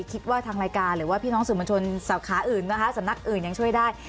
คิดว่าทางรายการหรือว่าพี่น้องสื่อมวลชนสาขาอื่นนะคะสำนักอื่นยังช่วยได้